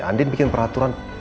andien bikin peraturan